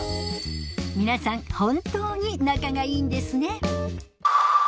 皆さん本当に仲がいいんですね